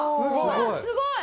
すごい！